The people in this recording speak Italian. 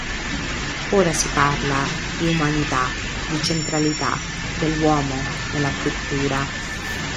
Ora si parla di “umanità”, di centralità dell'uomo nella pittura.